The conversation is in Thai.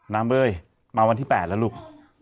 น้ำเบย์มาวันที่๘แล้วลูก